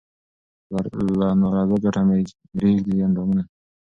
له نا رضا کټه مې رېږدي اندامونه